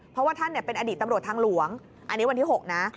เพราะว่าท่านเป็นอดีตตำรวจทางหลวงอันนี้วันที่๖นะ